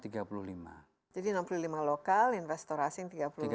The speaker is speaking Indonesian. jadi enam puluh lima lokal investor asing tiga puluh lima